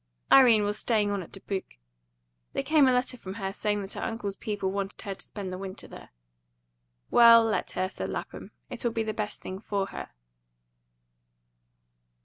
Irene was staying on at Dubuque. There came a letter from her, saying that her uncle's people wanted her to spend the winter there. "Well, let her," said Lapham. "It'll be the best thing for her."